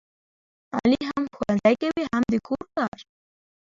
علي هم ښوونځی کوي هم د کور کار.